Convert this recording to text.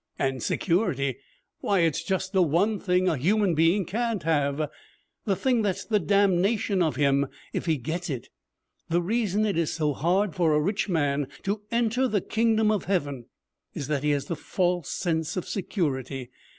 And security why, it's just the one thing a human being can't have, the thing that's the damnation of him if he gets it! The reason it is so hard for a rich man to enter the kingdom of Heaven is that he has that false sense of security.